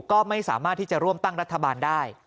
ก็ไม่สามารถที่จะร่วมตั้งรัฐบาลได้